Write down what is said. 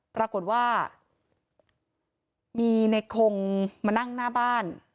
ปรากฏว่ามีในคงมานั่งหน้าบ้าน